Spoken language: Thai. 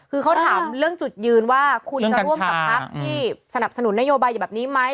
คือเขาถามเรื่องจุดยืนว่าคุณจะร่วมกับพักที่สนับสนุนนโยบายแบบนี้ไหม